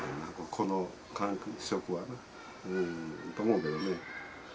この感触はな。と思うけどね。